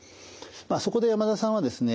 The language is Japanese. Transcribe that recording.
そこで山田さんはですね